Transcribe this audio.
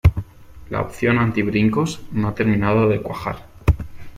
La opción anti-Brincos no ha terminado de cuajar.